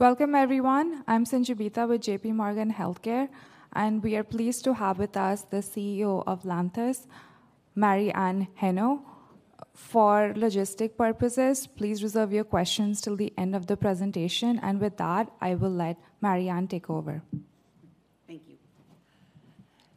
Welcome, everyone. I'm Sangeetha with J.P. Morgan Healthcare, and we are pleased to have with us the CEO of Lantheus, Mary Anne Heino. For logistic purposes, please reserve your questions till the end of the presentation, and with that, I will let Mary Anne Heino take over.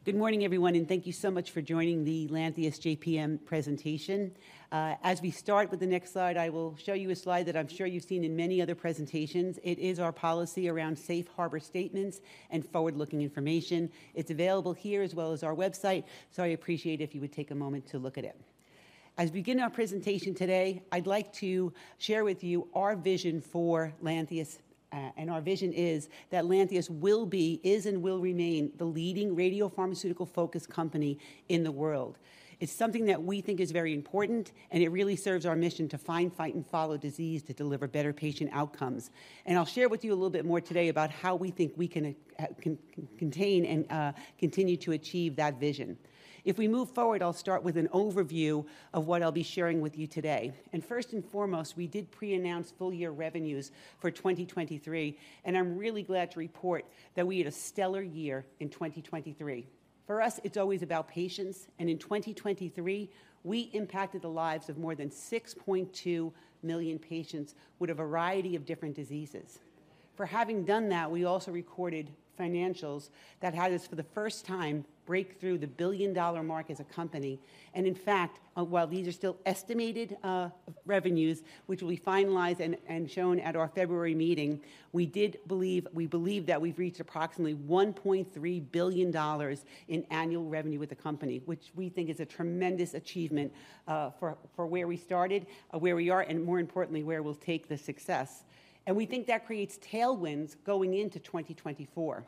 Thank you. Good morning, everyone, and thank you so much for joining the Lantheus JPM presentation. As we start with the next slide, I will show you a slide that I'm sure you've seen in many other presentations. It is our policy around safe harbor statements and forward-looking information. It's available here as well as our website, so I appreciate it if you would take a moment to look at it. As we begin our presentation today, I'd like to share with you our vision for Lantheus, and our vision is that Lantheus will be, is, and will remain the leading radiopharmaceutical-focused company in the world. It's something that we think is very important, and it really serves our mission to find, fight, and follow disease to deliver better patient outcomes. I'll share with you a little bit more today about how we think we can contain and continue to achieve that vision. If we move forward, I'll start with an overview of what I'll be sharing with you today. First and foremost, we did pre-announce full-year revenues for 2023, and I'm really glad to report that we had a stellar year in 2023. For us, it's always about patients, and in 2023, we impacted the lives of more than 6.2 million patients with a variety of different diseases. For having done that, we also recorded financials that had us, for the first time, break through the billion-dollar mark as a company. And in fact, while these are still estimated revenues, which will be finalized and shown at our February meeting, we believe that we've reached approximately $1.3 billion in annual revenue with the company, which we think is a tremendous achievement for where we started, where we are, and more importantly, where we'll take the success. And we think that creates tailwinds going into 2024.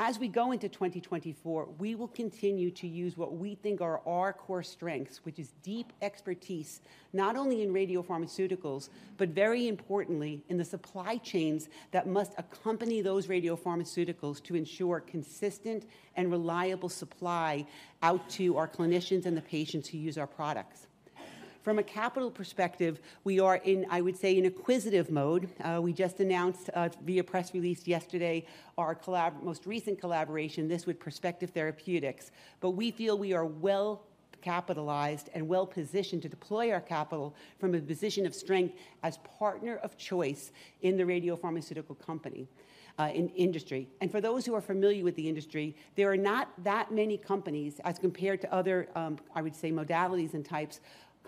As we go into 2024, we will continue to use what we think are our core strengths, which is deep expertise, not only in radiopharmaceuticals, but very importantly, in the supply chains that must accompany those radiopharmaceuticals to ensure consistent and reliable supply out to our clinicians and the patients who use our products. From a capital perspective, we are in, I would say, an acquisitive mode. We just announced via press release yesterday, our most recent collaboration, this with Perspective Therapeutics. But we feel we are well capitalized and well-positioned to deploy our capital from a position of strength as partner of choice in the radiopharmaceutical company, in industry. For those who are familiar with the industry, there are not that many companies, as compared to other, I would say, modalities and types,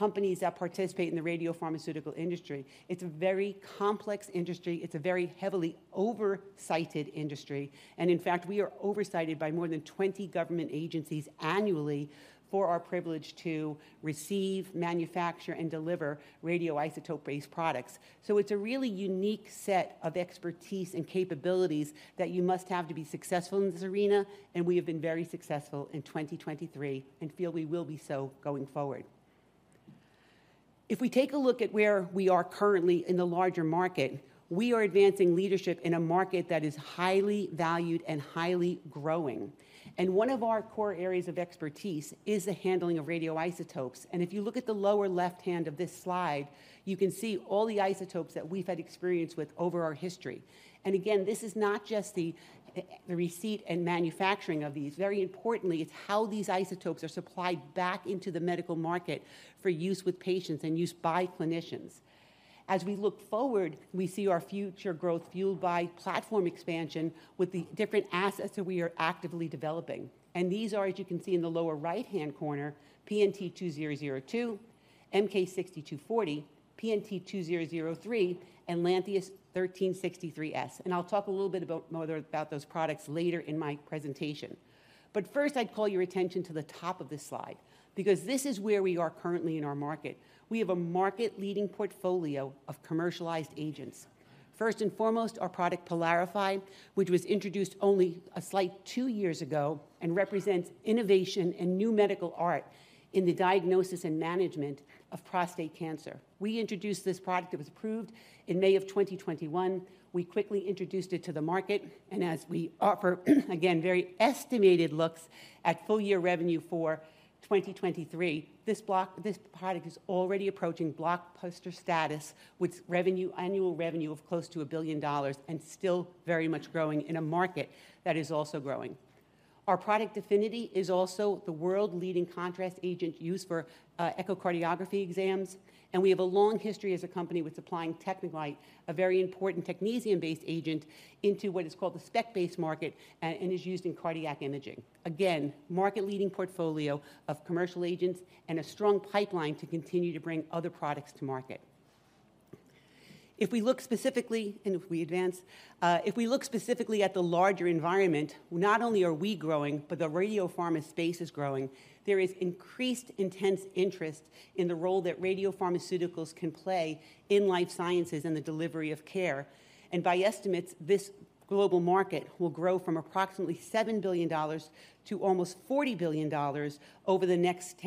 companies that participate in the radiopharmaceutical industry. It's a very complex industry. It's a very heavily oversighted industry, and in fact, we are oversighted by more than 20 government agencies annually for our privilege to receive, manufacture, and deliver radioisotope-based products. So it's a really unique set of expertise and capabilities that you must have to be successful in this arena, and we have been very successful in 2023 and feel we will be so going forward. If we take a look at where we are currently in the larger market, we are advancing leadership in a market that is highly valued and highly growing. And one of our core areas of expertise is the handling of radioisotopes. And if you look at the lower left-hand of this slide, you can see all the isotopes that we've had experience with over our history. And again, this is not just the, the receipt and manufacturing of these. Very importantly, it's how these isotopes are supplied back into the medical market for use with patients and use by clinicians. As we look forward, we see our future growth fueled by platform expansion with the different assets that we are actively developing. These are, as you can see in the lower right-hand corner, PNT2002, MK-6240, PNT2003, and LNTH-1363. I'll talk a little bit about more about those products later in my presentation. But first, I'd call your attention to the top of this slide because this is where we are currently in our market. We have a market-leading portfolio of commercialized agents. First and foremost, our product PYLARIFY, which was introduced only about 2 years ago and represents innovation and new medical art in the diagnosis and management of prostate cancer. We introduced this product that was approved in May of 2021. We quickly introduced it to the market, and as we offer, again, very estimated looks at full-year revenue for 2023, this product is already approaching blockbuster status, with revenue, annual revenue of close to $1 billion and still very much growing in a market that is also growing. Our product DEFINITY is also the world-leading contrast agent used for echocardiography exams, and we have a long history as a company with supplying TechneLite, a very important technetium-based agent, into what is called the SPECT-based market and is used in cardiac imaging. Again, market-leading portfolio of commercial agents and a strong pipeline to continue to bring other products to market. If we look specifically, and if we advance, if we look specifically at the larger environment, not only are we growing, but the radiopharma space is growing. There is increased intense interest in the role that radiopharmaceuticals can play in life sciences and the delivery of care, and by estimates, this global market will grow from approximately $7 billion to almost $40 billion over the next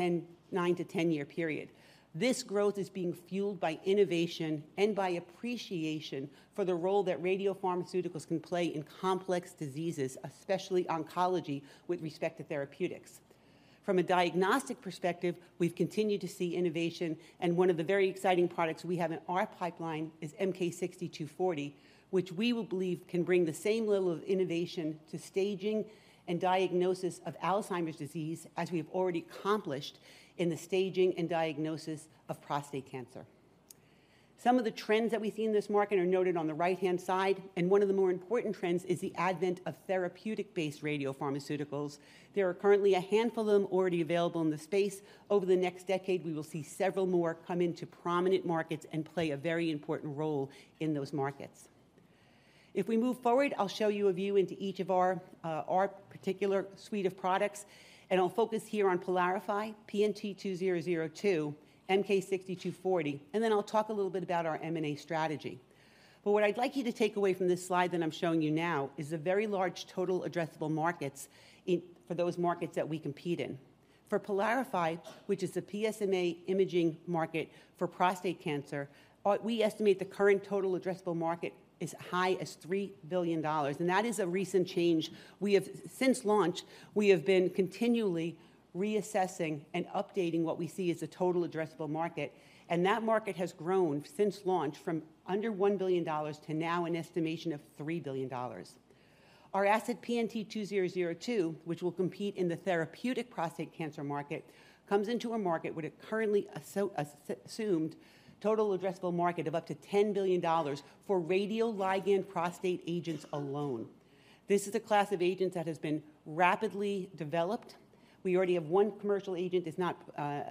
nine to ten-year period. This growth is being fueled by innovation and by appreciation for the role that radiopharmaceuticals can play in complex diseases, especially oncology, with respect to therapeutics. From a diagnostic perspective, we've continued to see innovation, and one of the very exciting products we have in our pipeline is MK-6240, which we will believe can bring the same level of innovation to staging and diagnosis of Alzheimer's disease as we have already accomplished in the staging and diagnosis of prostate cancer. Some of the trends that we see in this market are noted on the right-hand side, and one of the more important trends is the advent of therapeutic-based radiopharmaceuticals. There are currently a handful of them already available in the space. Over the next decade, we will see several more come into prominent markets and play a very important role in those markets. If we move forward, I'll show you a view into each of our, our particular suite of products, and I'll focus here on PYLARIFY, PNT2002, MK-6240, and then I'll talk a little bit about our M&A strategy. But what I'd like you to take away from this slide that I'm showing you now is a very large total addressable markets in for those markets that we compete in. For PYLARIFY, which is a PSMA imaging market for prostate cancer, we estimate the current total addressable market as high as $3 billion, and that is a recent change. Since launch, we have been continually reassessing and updating what we see as a total addressable market, and that market has grown since launch from under $1 billion to now an estimation of $3 billion. Our asset, PNT2002, which will compete in the therapeutic prostate cancer market, comes into a market with a currently assumed total addressable market of up to $10 billion for radioligand prostate agents alone. This is a class of agents that has been rapidly developed. We already have one commercial agent, it's not,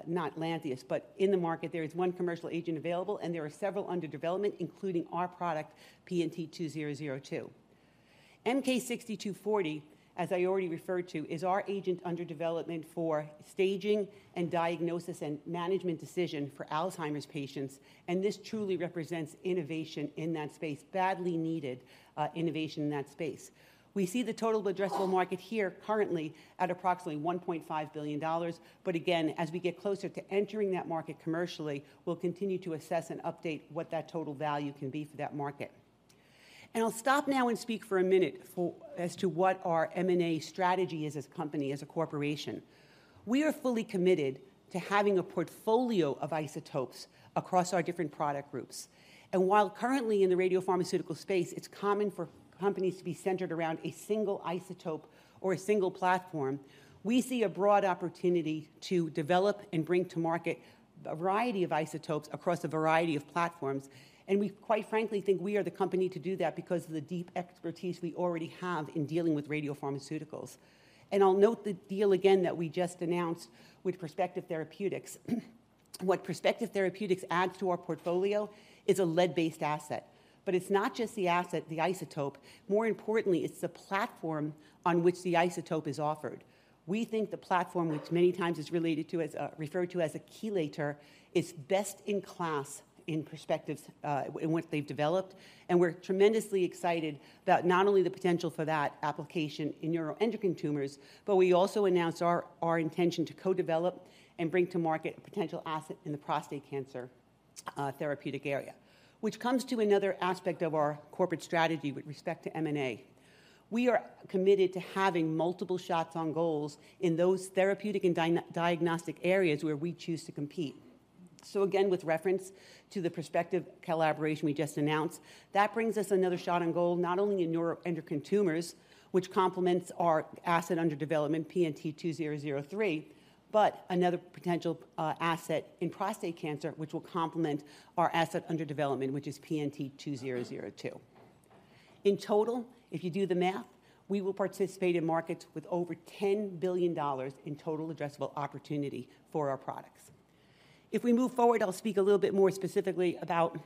not Lantheus, but in the market, there is one commercial agent available, and there are several under development, including our product, PNT2002. MK-6240, as I already referred to, is our agent under development for staging and diagnosis and management decision for Alzheimer's patients, and this truly represents innovation in that space, badly needed, innovation in that space. We see the total addressable market here currently at approximately $1.5 billion, but again, as we get closer to entering that market commercially, we'll continue to assess and update what that total value can be for that market. And I'll stop now and speak for a minute as to what our M&A strategy is as a company, as a corporation. We are fully committed to having a portfolio of isotopes across our different product groups. And while currently in the radiopharmaceutical space, it's common for companies to be centered around a single isotope or a single platform, we see a broad opportunity to develop and bring to market a variety of isotopes across a variety of platforms, and we, quite frankly, think we are the company to do that because of the deep expertise we already have in dealing with radiopharmaceuticals. And I'll note the deal again that we just announced with Perspective Therapeutics. What Perspective Therapeutics adds to our portfolio is a lead-based asset, but it's not just the asset, the isotope. More importantly, it's the platform on which the isotope is offered. We think the platform, which many times is referred to as a chelator, is best-in-class in Perspective's, in what they've developed, and we're tremendously excited about not only the potential for that application in neuroendocrine tumors, but we also announced our intention to co-develop and bring to market a potential asset in the prostate cancer therapeutic area. Which comes to another aspect of our corporate strategy with respect to M&A. We are committed to having multiple shots on goals in those therapeutic and diagnostic areas where we choose to compete. So again, with reference to the Perspective collaboration we just announced, that brings us another shot on goal, not only in neuroendocrine tumors, which complements our asset under development, PNT2003, but another potential asset in prostate cancer, which will complement our asset under development, which is PNT2002. In total, if you do the math, we will participate in markets with over $10 billion in total addressable opportunity for our products. If we move forward, I'll speak a little bit more specifically about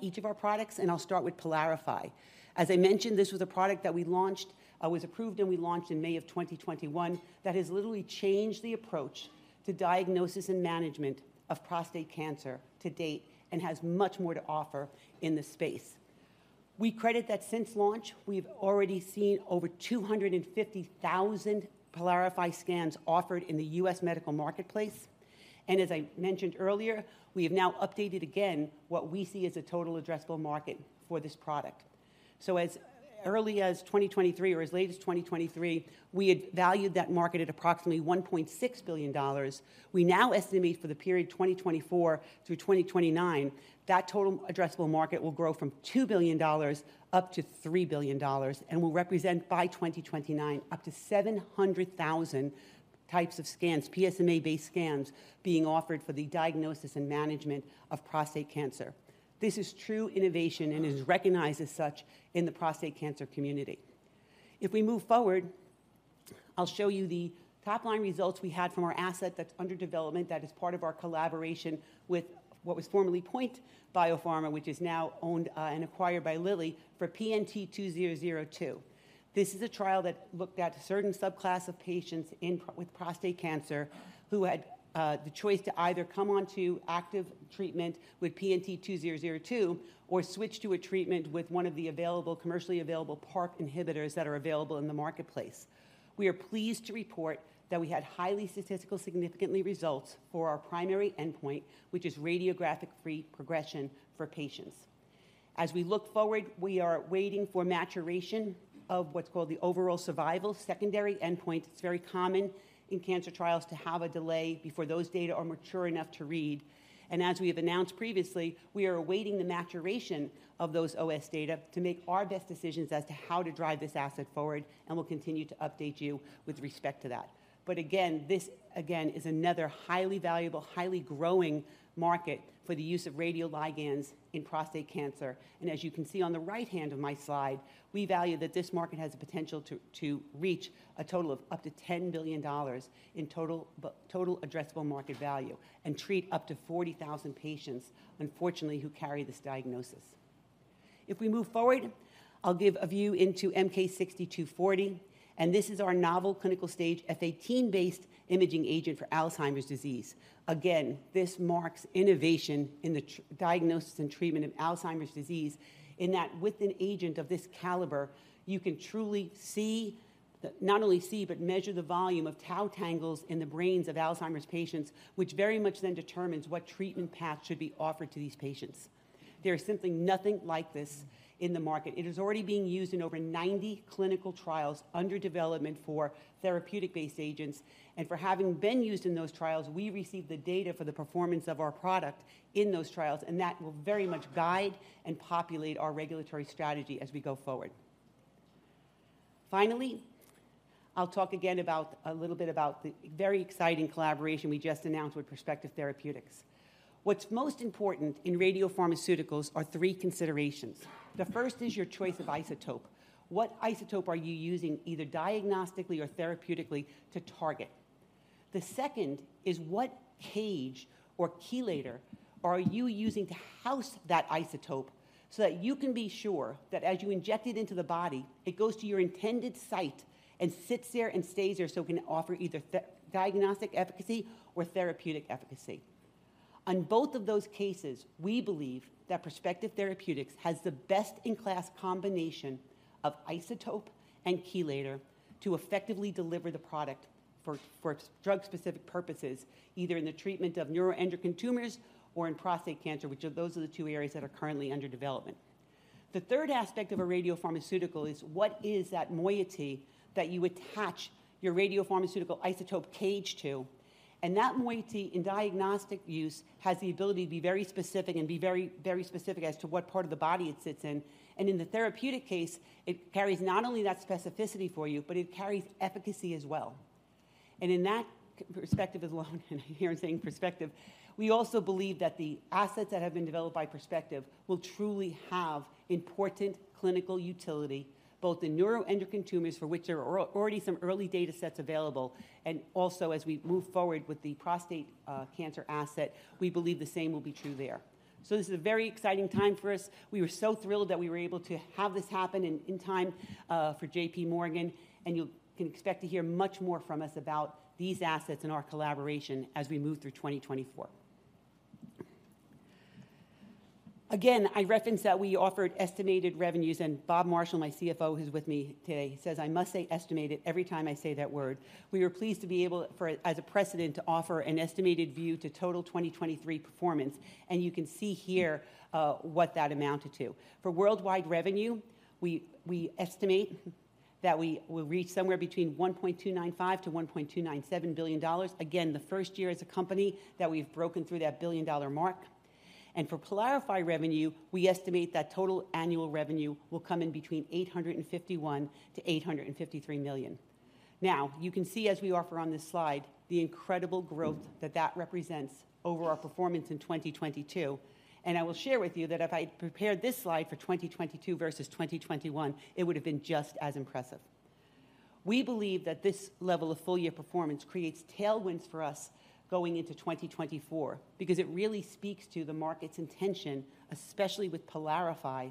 each of our products, and I'll start with PYLARIFY. As I mentioned, this was a product that we launched, was approved, and we launched in May 2021, that has literally changed the approach to diagnosis and management of prostate cancer to date and has much more to offer in this space. We credit that since launch, we've already seen over 250,000 PYLARIFY scans offered in the U.S. medical marketplace. As I mentioned earlier, we have now updated again what we see as a total addressable market for this product. As early as 2023 or as late as 2023, we had valued that market at approximately $1.6 billion. We now estimate for the period 2024 through 2029, that total addressable market will grow from $2 billion to $3 billion and will represent by 2029, up to 700,000 types of scans, PSMA-based scans, being offered for the diagnosis and management of prostate cancer. This is true innovation and is recognized as such in the prostate cancer community. If we move forward, I'll show you the top-line results we had from our asset that's under development that is part of our collaboration with what was formerly POINT Biopharma, which is now owned and acquired by Lilly for PNT2002. This is a trial that looked at a certain subclass of patients with prostate cancer who had the choice to either come onto active treatment with PNT2002 or switch to a treatment with one of the available, commercially available PARP inhibitors that are available in the marketplace. We are pleased to report that we had highly statistically significant results for our primary endpoint, which is radiographic-free progression for patients. As we look forward, we are waiting for maturation of what's called the overall survival secondary endpoint. It's very common in cancer trials to have a delay before those data are mature enough to read and as we have announced previously, we are awaiting the maturation of those OS data to make our best decisions as to how to drive this asset forward, and we'll continue to update you with respect to that. But again, this is another highly valuable, highly growing market for the use of radioligands in prostate cancer. As you can see on the right hand of my slide, we value that this market has the potential to reach a total of up to $10 billion total addressable market value and treat up to 40,000 patients, unfortunately, who carry this diagnosis. If we move forward, I'll give a view into MK-6240, and this is our novel clinical-stage F-18-based imaging agent for Alzheimer's disease. Again, this marks innovation in the diagnosis and treatment of Alzheimer's disease in that with an agent of this caliber, you can truly see the... not only see, but measure the volume of tau tangles in the brains of Alzheimer's patients, which very much then determines what treatment path should be offered to these patients. There is simply nothing like this in the market. It is already being used in over 90 clinical trials under development for therapeutic-based agents, and for having been used in those trials, we received the data for the performance of our product in those trials, and that will very much guide and populate our regulatory strategy as we go forward. Finally, I'll talk again about a little bit about the very exciting collaboration we just announced with Perspective Therapeutics. What's most important in radiopharmaceuticals are three considerations. The first is your choice of isotope. What isotope are you using, either diagnostically or therapeutically, to target? The second is what cage or chelator are you using to house that isotope so that you can be sure that as you inject it into the body, it goes to your intended site and sits there and stays there, so it can offer either diagnostic efficacy or therapeutic efficacy. On both of those cases, we believe that Perspective Therapeutics has the best-in-class combination of isotope and chelator to effectively deliver the product for, for drug-specific purposes, either in the treatment of neuroendocrine tumors or in prostate cancer, which are those are the two areas that are currently under development. The third aspect of a radiopharmaceutical is what is that moiety that you attach your radiopharmaceutical isotope cage to? That moiety in diagnostic use has the ability to be very specific and be very, very specific as to what part of the body it sits in. In the therapeutic case, it carries not only that specificity for you, but it carries efficacy as well. In that perspective, as long I keep on hearing saying Perspective, we also believe that the assets that have been developed by Perspective will truly have important clinical utility, both in neuroendocrine tumors, for which there are already some early data sets available, and also as we move forward with the prostate cancer asset, we believe the same will be true there. So this is a very exciting time for us. We were so thrilled that we were able to have this happen in time for J.P. Morgan, and you can expect to hear much more from us about these assets and our collaboration as we move through 2024. Again, I referenced that we offered estimated revenues, and Bob Marshall, my CFO, who's with me today, says I must say "estimated" every time I say that word. We were pleased to be able for it, as a precedent, to offer an estimated view to total 2023 performance, and you can see here what that amounted to. For worldwide revenue, we estimate that we will reach somewhere between $1.295-$1.297 billion. Again, the first year as a company that we've broken through that billion-dollar mark. And for PYLARIFY revenue, we estimate that total annual revenue will come in between $851 million-$853 million. Now, you can see as we offer on this slide, the incredible growth that that represents over our performance in 2022, and I will share with you that if I prepared this slide for 2022 versus 2021, it would have been just as impressive. We believe that this level of full year performance creates tailwinds for us going into 2024, because it really speaks to the market's intention, especially with PYLARIFY,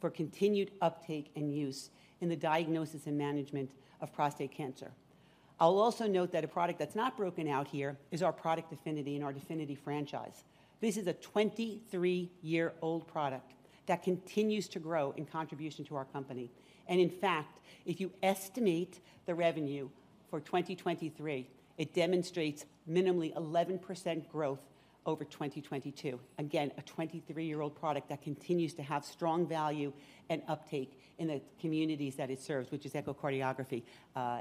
for continued uptake and use in the diagnosis and management of prostate cancer. I'll also note that a product that's not broken out here is our product DEFINITY and our DEFINITY franchise. This is a 23-year-old product that continues to grow in contribution to our company. In fact, if you estimate the revenue for 2023, it demonstrates minimally 11% growth over 2022. Again, a 23-year-old product that continues to have strong value and uptake in the communities that it serves, which is echocardiography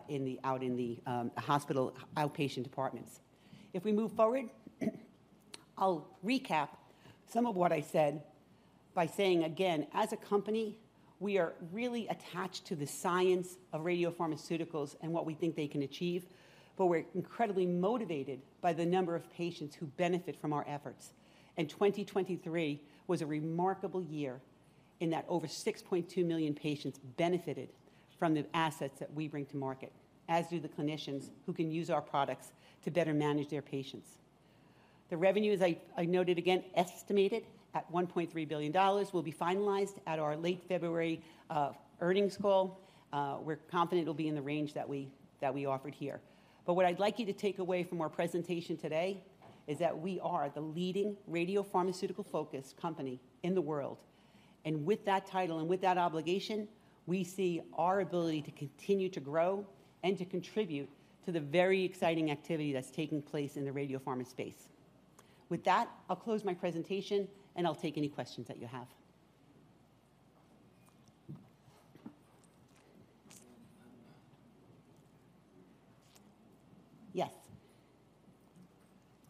in the hospital outpatient departments. If we move forward, I'll recap some of what I said by saying again, as a company, we are really attached to the science of radiopharmaceuticals and what we think they can achieve, but we're incredibly motivated by the number of patients who benefit from our efforts. 2023 was a remarkable year in that over 6.2 million patients benefited from the assets that we bring to market, as do the clinicians who can use our products to better manage their patients. The revenue, as I noted again, estimated at $1.3 billion, will be finalized at our late February earnings call. We're confident it'll be in the range that we offered here. But what I'd like you to take away from our presentation today is that we are the leading radiopharmaceutical-focused company in the world. And with that title and with that obligation, we see our ability to continue to grow and to contribute to the very exciting activity that's taking place in the radiopharma space. With that, I'll close my presentation, and I'll take any questions that you have....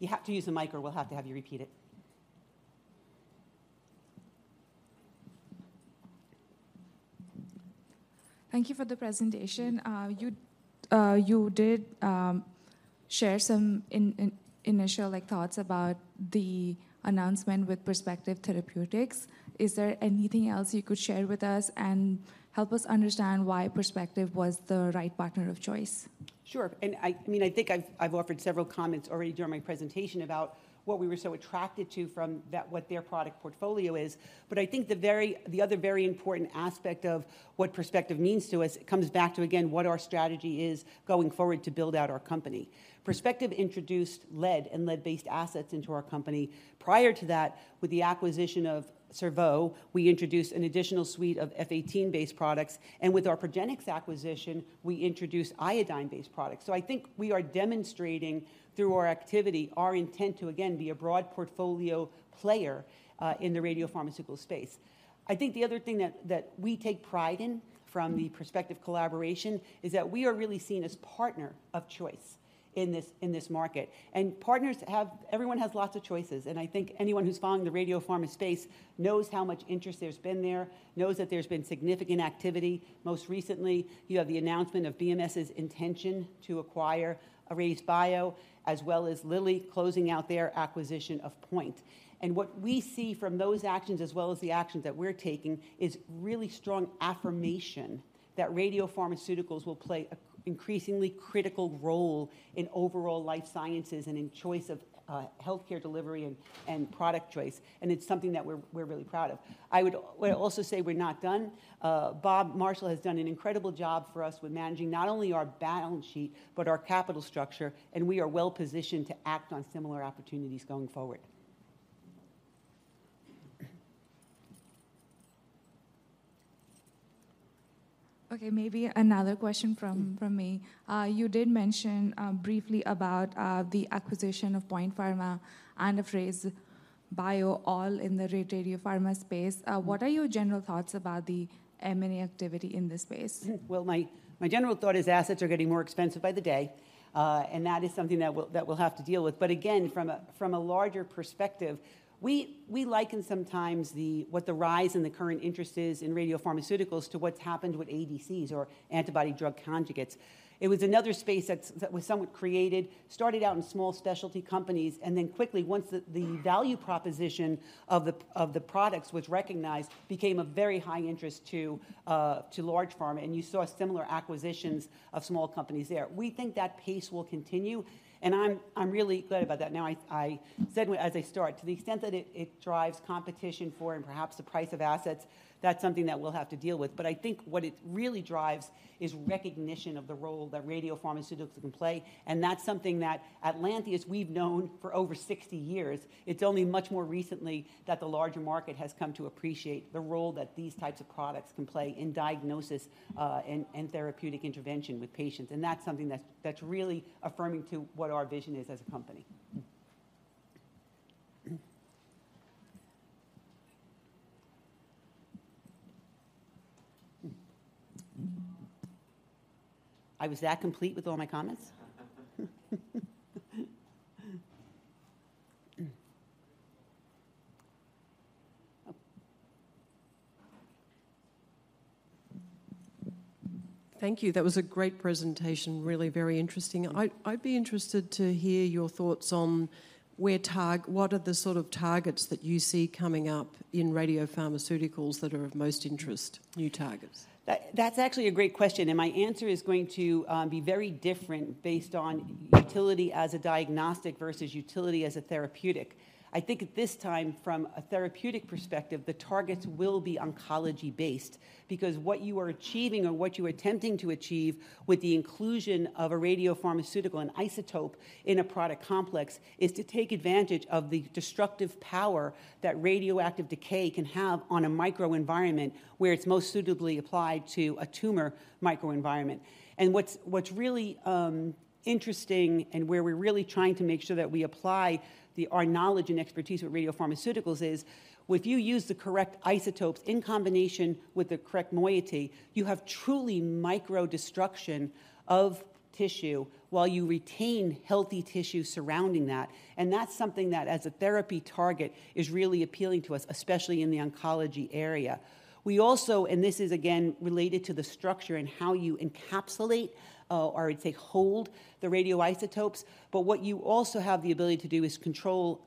Yes. You have to use the mic, or we'll have to have you repeat it. Thank you for the presentation. You did share some initial, like, thoughts about the announcement with Perspective Therapeutics. Is there anything else you could share with us and help us understand why Perspective was the right partner of choice? Sure. And I mean, I think I've offered several comments already during my presentation about what we were so attracted to from that, what their product portfolio is. But I think the very, the other very important aspect of what Perspective means to us, it comes back to, again, what our strategy is going forward to build out our company. Perspective introduced lead and lead-based assets into our company. Prior to that, with the acquisition of Cerveau, we introduced an additional suite of F-18-based products, and with our Progenics acquisition, we introduced iodine-based products. So I think we are demonstrating through our activity, our intent to, again, be a broad portfolio player in the radiopharmaceutical space. I think the other thing that we take pride in from the Perspective collaboration is that we are really seen as partner of choice in this market. And partners have everyone has lots of choices, and I think anyone who's following the radiopharma space knows how much interest there's been there, knows that there's been significant activity. Most recently, you have the announcement of BMS's intention to acquire RayzeBio, as well as Lilly closing out their acquisition of POINT. And what we see from those actions, as well as the actions that we're taking, is really strong affirmation that radiopharmaceuticals will play a increasingly critical role in overall life sciences and in choice of healthcare delivery and, and product choice, and it's something that we're, we're really proud of. I would also say we're not done. Bob Marshall has done an incredible job for us with managing not only our balance sheet, but our capital structure, and we are well positioned to act on similar opportunities going forward. Okay, maybe another question from me. You did mention briefly about the acquisition of POINT Biopharma and of RayzeBio, all in the radiopharma space. What are your general thoughts about the M&A activity in this space? Well, my, my general thought is assets are getting more expensive by the day, and that is something that we'll, that we'll have to deal with. But again, from a, from a larger perspective, we, we liken sometimes the, what the rise in the current interest is in radiopharmaceuticals to what's happened with ADCs or antibody-drug conjugates. It was another space that's, that was somewhat created, started out in small specialty companies, and then quickly, once the, the value proposition of the, of the products was recognized, became a very high interest to, to large pharma, and you saw similar acquisitions of small companies there. We think that pace will continue, and I'm, I'm really glad about that. Now, as I start, to the extent that it drives competition for and perhaps the price of assets, that's something that we'll have to deal with. But I think what it really drives is recognition of the role that radiopharmaceuticals can play, and that's something that at Lantheus we've known for over 60 years. It's only much more recently that the larger market has come to appreciate the role that these types of products can play in diagnosis, and therapeutic intervention with patients, and that's something that's really affirming to what our vision is as a company. I... Was that complete with all my comments? Thank you. That was a great presentation, really very interesting. I'd be interested to hear your thoughts on where, what are the sort of targets that you see coming up in radiopharmaceuticals that are of most interest, new targets? That, that's actually a great question, and my answer is going to be very different based on utility as a diagnostic versus utility as a therapeutic. I think at this time, from a therapeutic perspective, the targets will be oncology-based because what you are achieving or what you are attempting to achieve with the inclusion of a radiopharmaceutical, an isotope, in a product complex, is to take advantage of the destructive power that radioactive decay can have on a microenvironment, where it's most suitably applied to a tumor microenvironment. And what's really interesting and where we're really trying to make sure that we apply our knowledge and expertise with radiopharmaceuticals is, if you use the correct isotopes in combination with the correct moiety, you have truly micro destruction of tissue while you retain healthy tissue surrounding that. That's something that, as a therapy target, is really appealing to us, especially in the oncology area. We also, and this is again related to the structure and how you encapsulate or, I'd say, hold the radioisotopes, but what you also have the ability to do is control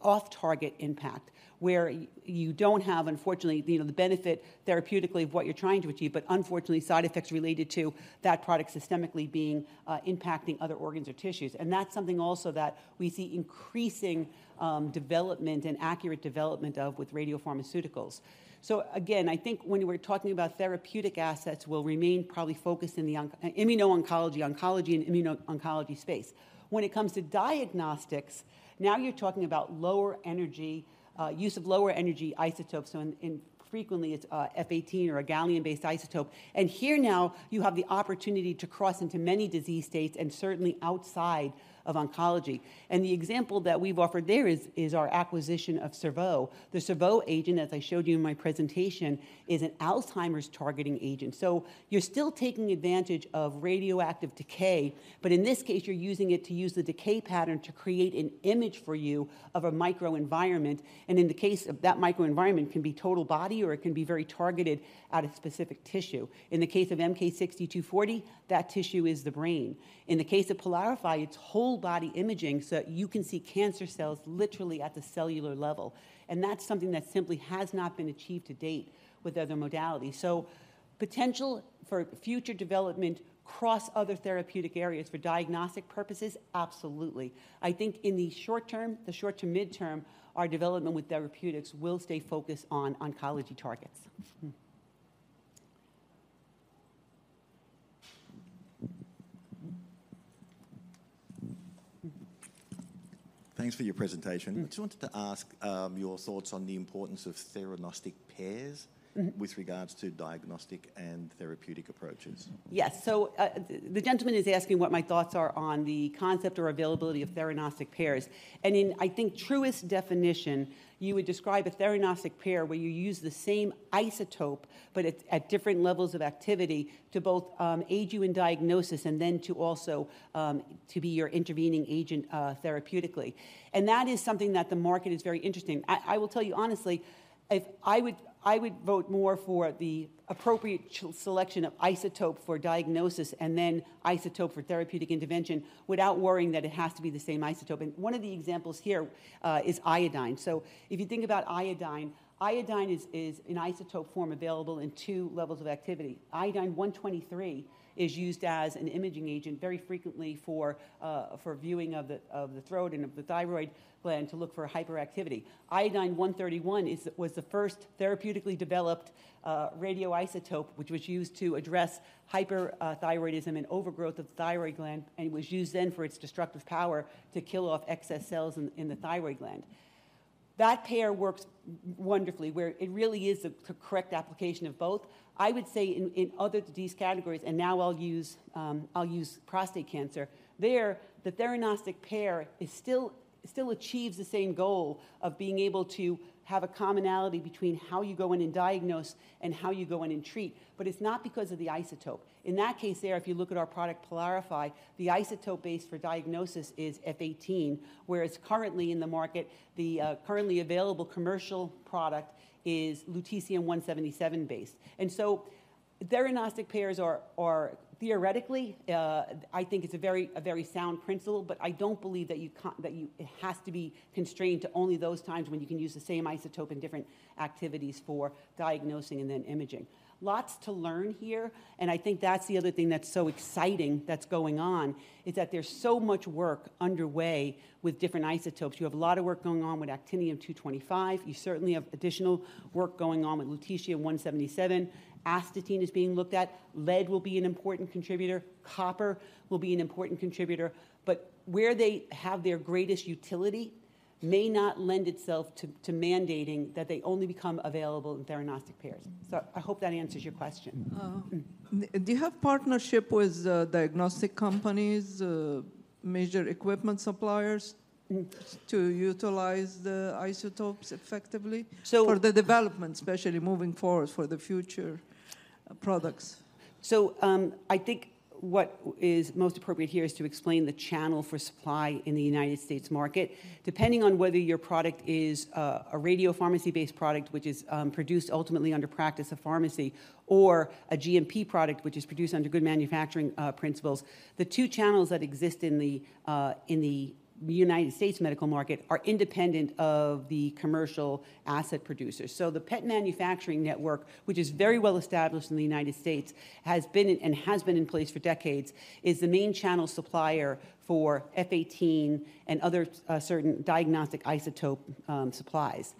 off-target impact, where you, you don't have, unfortunately, you know, the benefit therapeutically of what you're trying to achieve, but unfortunately, side effects related to that product systemically being impacting other organs or tissues. That's something also that we see increasing development and accurate development of with radiopharmaceuticals. Again, I think when we're talking about therapeutic assets, we'll remain probably focused in the oncology and immuno-oncology space. When it comes to diagnostics, now you're talking about lower energy, use of lower energy isotopes, so frequently it's F-18 or a gallium-based isotope. And here now, you have the opportunity to cross into many disease states, and certainly outside of oncology. And the example that we've offered there is our acquisition of Cerveau. The Cerveau agent, as I showed you in my presentation, is an Alzheimer's-targeting agent. So you're still taking advantage of radioactive decay, but in this case, you're using it to use the decay pattern to create an image for you of a microenvironment, and in the case of that microenvironment, can be total body or it can be very targeted at a specific tissue. In the case of MK-6240, that tissue is the brain. In the case of PYLARIFY, it's whole body imaging, so you can see cancer cells literally at the cellular level, and that's something that simply has not been achieved to date with other modalities. So potential for future development across other therapeutic areas for diagnostic purposes, absolutely. I think in the short term, the short to midterm, our development with therapeutics will stay focused on oncology targets. Thanks for your presentation. I just wanted to ask, your thoughts on the importance of theranostic pairs- With regards to diagnostic and therapeutic approaches. Yes. So, the gentleman is asking what my thoughts are on the concept or availability of theranostic pairs. And in, I think, truest definition, you would describe a theranostic pair where you use the same isotope, but at different levels of activity to both aid you in diagnosis and then to also to be your intervening agent therapeutically. And that is something that the market is very interesting. I will tell you honestly, if I would, I would vote more for the appropriate selection of isotope for diagnosis and then isotope for therapeutic intervention without worrying that it has to be the same isotope. And one of the examples here is iodine. So if you think about iodine, iodine is an isotope form available in two levels of activity. Iodine-123 is used as an imaging agent very frequently for viewing of the throat and of the thyroid gland to look for hyperactivity. Iodine-131 was the first therapeutically developed radioisotope, which was used to address hyperthyroidism and overgrowth of the thyroid gland, and it was used then for its destructive power to kill off excess cells in the thyroid gland. That pair works wonderfully, where it really is the correct application of both. I would say in other disease categories, and now I'll use prostate cancer, there the theranostic pair still achieves the same goal of being able to have a commonality between how you go in and diagnose and how you go in and treat, but it's not because of the isotope. In that case there, if you look at our product, PYLARIFY, the isotope base for diagnosis is F-18, where it's currently in the market, the currently available commercial product is lutetium-177 base. And so theranostic pairs are theoretically, I think it's a very sound principle, but I don't believe that it has to be constrained to only those times when you can use the same isotope in different activities for diagnosing and then imaging. Lots to learn here, and I think that's the other thing that's so exciting that's going on, is that there's so much work underway with different isotopes. You have a lot of work going on with actinium-225. You certainly have additional work going on with lutetium-177. Astatine is being looked at. Lead will be an important contributor. Copper will be an important contributor. Where they have their greatest utility may not lend itself to mandating that they only become available in theranostic pairs. So I hope that answers your question. Do you have partnership with diagnostic companies, major equipment suppliers to utilize the isotopes effectively? So- For the development, especially moving forward for the future products. So, I think what is most appropriate here is to explain the channel for supply in the United States market. Depending on whether your product is a radiopharmacy-based product, which is produced ultimately under practice of pharmacy, or a GMP product, which is produced under good manufacturing principles, the two channels that exist in the United States medical market are independent of the commercial asset producers. So the PET manufacturing network, which is very well established in the United States, has been and has been in place for decades, is the main channel supplier for F-18 and other certain diagnostic isotope supplies.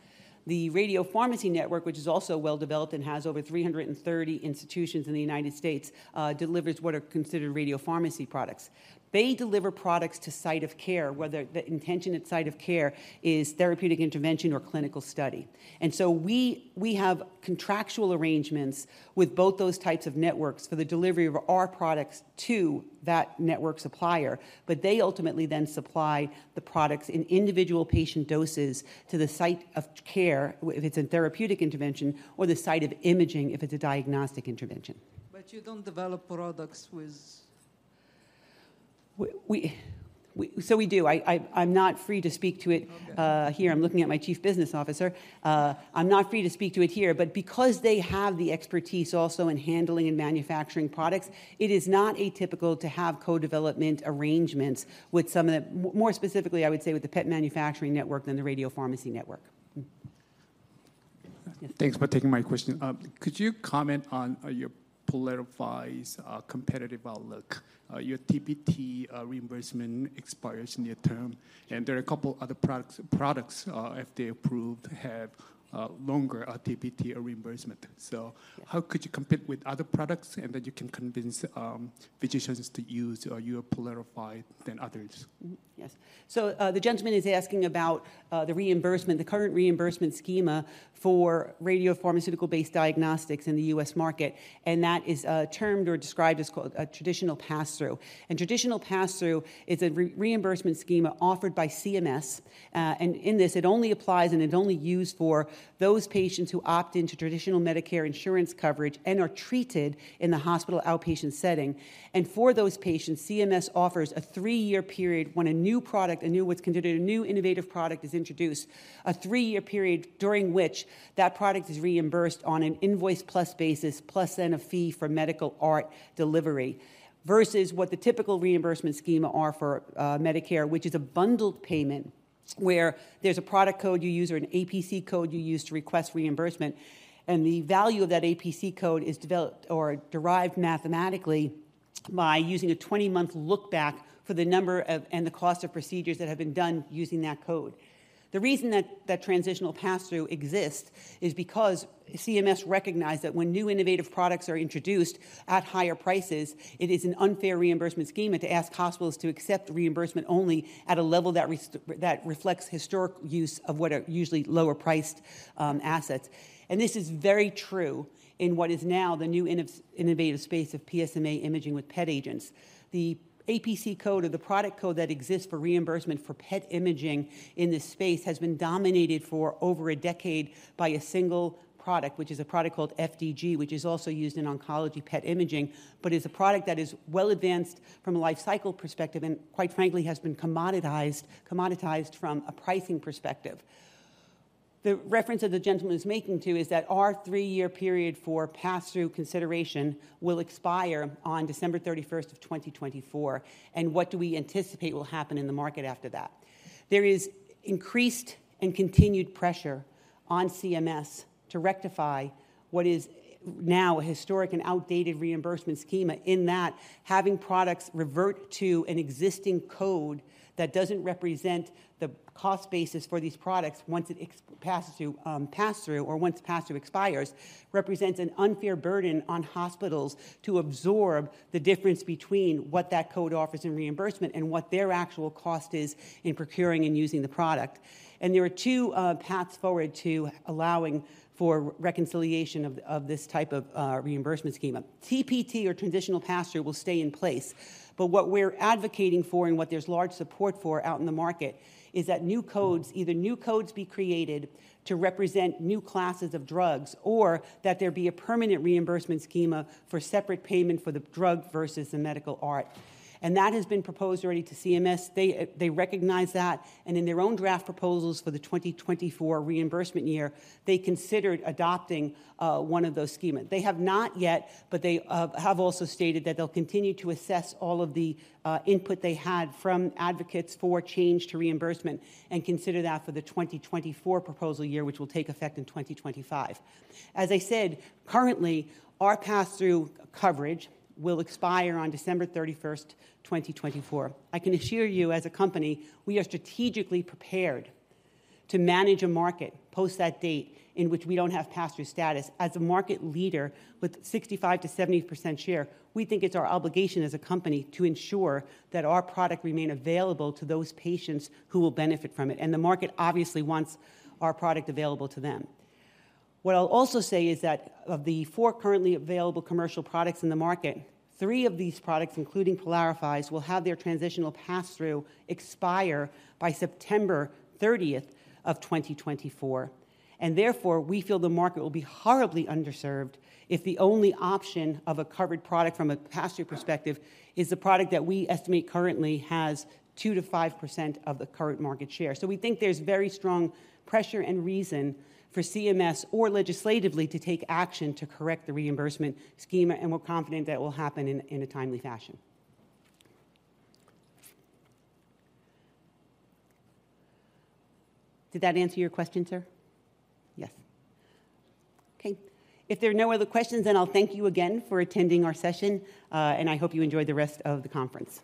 The radiopharmacy network, which is also well developed and has over 330 institutions in the United States, delivers what are considered radiopharmacy products. They deliver products to site of care, whether the intention at site of care is therapeutic intervention or clinical study. And so we have contractual arrangements with both those types of networks for the delivery of our products to that network supplier, but they ultimately then supply the products in individual patient doses to the site of care, if it's a therapeutic intervention, or the site of imaging, if it's a diagnostic intervention. But you don't develop products with... So we do. I'm not free to speak to it. Okay. Here. I'm looking at my chief business officer. I'm not free to speak to it here, but because they have the expertise also in handling and manufacturing products, it is not atypical to have co-development arrangements with some of the more specifically, I would say, with the PET manufacturing network than the radiopharmacy network. Thanks for taking my question. Could you comment on your PYLARIFY's competitive outlook? Your TPT reimbursement expires near term, and there are a couple other products if they approved have longer TPT reimbursement. So- Yeah. How could you compete with other products, and that you can convince physicians to use your PYLARIFY than others? Yes. The gentleman is asking about the reimbursement, the current reimbursement scheme for radiopharmaceutical-based diagnostics in the U.S. market, and that is termed or described as called a transitional pass-through. Traditional pass-through is a reimbursement scheme offered by CMS. In this, it only applies and it's only used for those patients who opt into traditional Medicare insurance coverage and are treated in the hospital outpatient setting. For those patients, CMS offers a three-year period when a new product, a new—what's considered a new innovative product is introduced, a three-year period during which that product is reimbursed on an invoice-plus basis, plus then a fee for medical art delivery. Versus what the typical reimbursement schema are for Medicare, which is a bundled payment, where there's a product code you use or an APC code you use to request reimbursement, and the value of that APC code is developed or derived mathematically by using a 20-month look-back for the number of, and the cost of procedures that have been done using that code. The reason that that transitional pass-through exists is because CMS recognized that when new innovative products are introduced at higher prices, it is an unfair reimbursement schema to ask hospitals to accept the reimbursement only at a level that reflects historic use of what are usually lower-priced assets. This is very true in what is now the new innovative space of PSMA imaging with PET agents. The APC code or the product code that exists for reimbursement for PET imaging in this space has been dominated for over a decade by a single product, which is a product called FDG, which is also used in oncology PET imaging, but is a product that is well advanced from a life cycle perspective, and quite frankly, has been commoditized, commoditized from a pricing perspective. The reference that the gentleman is making to is that our three-year period for pass-through consideration will expire on December thirty-first of 2024, and what do we anticipate will happen in the market after that? There is increased and continued pressure on CMS to rectify what is now a historic and outdated reimbursement schema, in that having products revert to an existing code that doesn't represent the cost basis for these products once it passes through pass-through, or once pass-through expires, represents an unfair burden on hospitals to absorb the difference between what that code offers in reimbursement and what their actual cost is in procuring and using the product. There are two paths forward to allowing for reconciliation of this type of reimbursement schema. TPT or traditional pass-through will stay in place, but what we're advocating for and what there's large support for out in the market is that new codes, either new codes be created to represent new classes of drugs, or that there be a permanent reimbursement schema for separate payment for the drug versus the medical art. That has been proposed already to CMS. They, they recognize that, and in their own draft proposals for the 2024 reimbursement year, they considered adopting, one of those schema. They have not yet, but they, have also stated that they'll continue to assess all of the, input they had from advocates for change to reimbursement and consider that for the 2024 proposal year, which will take effect in 2025. As I said, currently, our pass-through coverage will expire on December 31, 2024. I can assure you, as a company, we are strategically prepared to manage a market post that date in which we don't have pass-through status. As a market leader with 65%-70% share, we think it's our obligation as a company to ensure that our product remain available to those patients who will benefit from it, and the market obviously wants our product available to them. What I'll also say is that of the four currently available commercial products in the market, three of these products, including PYLARIFY's, will have their transitional pass-through expire by September 30, 2024. Therefore, we feel the market will be horribly underserved if the only option of a covered product from a pass-through perspective is a product that we estimate currently has 2%-5% of the current market share. So we think there's very strong pressure and reason for CMS or legislatively to take action to correct the reimbursement schema, and we're confident that will happen in a timely fashion. Did that answer your question, sir? Yes. Okay. If there are no other questions, then I'll thank you again for attending our session, and I hope you enjoy the rest of the conference.